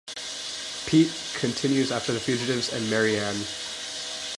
Pete continues after the fugitives and Marianne.